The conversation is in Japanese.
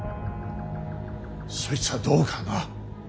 そいつはどうかな。